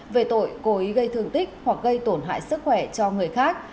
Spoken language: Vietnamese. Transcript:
về tội cố ý gây thương tích hoặc gây tổn hại sức khỏe cho người khác